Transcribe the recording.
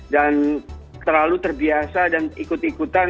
dan terlalu terbiasa dan ikut ikutan